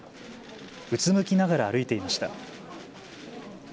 うつむきながら歩いていました。